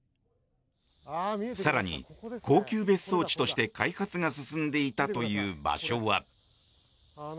更に、高級別荘地として開発が進んでいたという場所は。